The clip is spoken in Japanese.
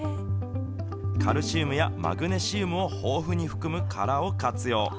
カルシウムやマグネシウムを豊富に含む殻を活用。